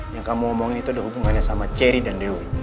yang kamu omongin itu udah hubungannya sama cherry dan dewi